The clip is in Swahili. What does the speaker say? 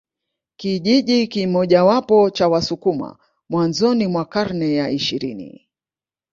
Kijiji kimojawapo cha Wasukuma mwanzoni mwa karne ya ishirini